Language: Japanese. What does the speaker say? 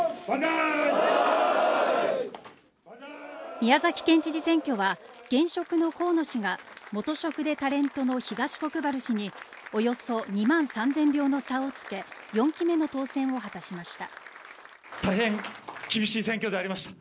宮崎県知事選挙は、現職の河野氏が、元職でタレントの東国原氏におよそ２万３０００票の差をつけ、４期目の当選を果たしました。